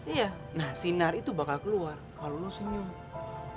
iya nah sinar itu bakal keluar kalau lo senyum